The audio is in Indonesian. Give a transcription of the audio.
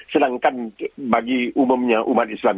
sedangkan bagi umumnya umat islam